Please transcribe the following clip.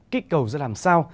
kích cầu ra làm sao